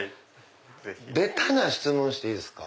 ベタな質問していいですか？